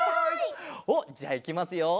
おっじゃあいきますよ。